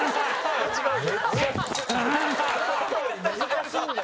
塙：難しいんだよ。